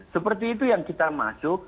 seperti itu yang kita masuk